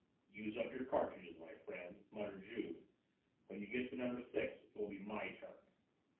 "Use up your cartridges, my friend," muttered Juve; "when your get to number six, it will be my turn."